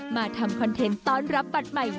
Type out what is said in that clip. มาทำคอนเทนต์ต้อนรับบัตรใหม่